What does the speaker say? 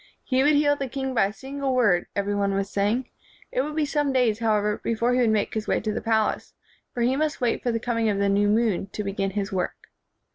He would heal the king by a single word, every one was saying. It would be some days, however, before he would make his way to the palace; for he must wait for the coming of the new moon to begin his work.